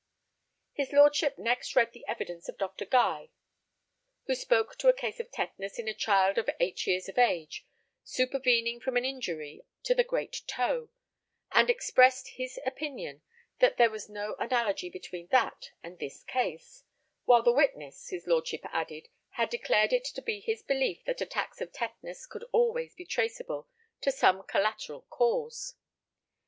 His lordship next read the evidence of Dr. Guy, who spoke to a case of tetanus in a child of eight years of age, supervening from an injury to the great toe, and expressed his opinion that there was no analogy between that and this case, while the witness, his lordship added, had declared it to be his belief that attacks of tetanus could always be traceable to some collateral cause.